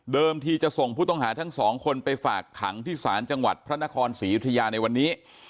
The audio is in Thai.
ที่จะส่งผู้ต้องหาทั้งสองคนไปฝากขังที่ศาลจังหวัดพระนครศรียุธยาในวันนี้